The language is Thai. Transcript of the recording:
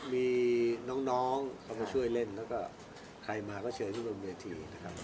มีน้องเค้าช่วยเล่นใครมาก็เชิญผู้บริเวณพิวเทียม